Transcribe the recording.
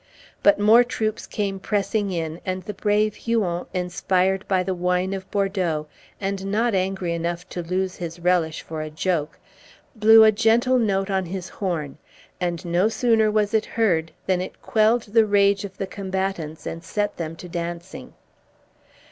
But more troops came pressing in and the brave Huon, inspired by the wine of Bordeaux, and not angry enough to lose his relish for a joke, blew a gentle note on his horn, and no sooner was it heard than it quelled the rage of the combatants and set them to dancing.